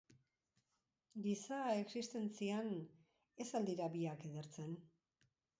Giza existentzian, ez al dira biak edertzen?